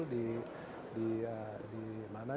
krisis baru muncul di mana